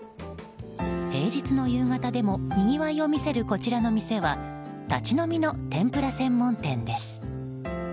平日の夕方でもにぎわいを見せるこちらの店は立ち飲みの天ぷら専門店です。